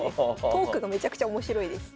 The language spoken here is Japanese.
トークがめちゃくちゃ面白いです。